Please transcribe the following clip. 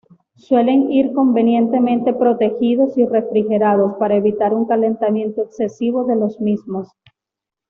Suelen ir convenientemente protegidos y refrigerados, para evitar un calentamiento excesivo de los mismos.